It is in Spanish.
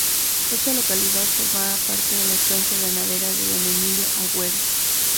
Esta localidad formaba parte de la Estancia ganadera de don Emilio Agüero.